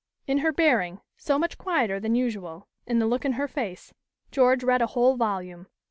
In her bearing, so much quieter than usual, in the look in her face, George read a whole volume.